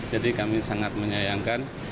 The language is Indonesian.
jadi kami sangat menyayangkan